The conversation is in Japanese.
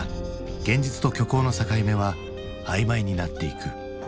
現実と虚構の境目は曖昧になっていく。